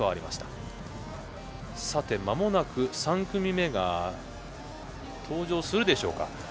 まもなく３組目が登場するでしょうか。